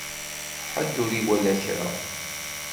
Ḥedd ur iwala kra.